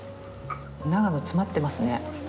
長野、詰まってますね。